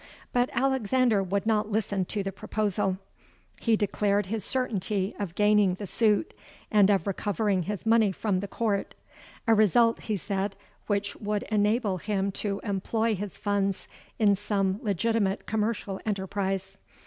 But Alexander would not listen to the proposal. He declared his certainty of gaining the suit and of recovering his money from the court—a result, he said, which would enable him to employ his funds in some legitimate commercial enterprise.